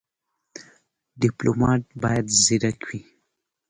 ډيپلومات بايد ځيرک وي.